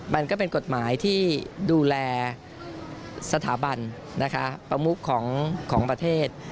มันก็เป็นกฎหมายที่ดูแลสถาบันนะคะประมุขของประเทศ